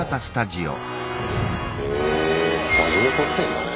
へえスタジオで撮ってんだね。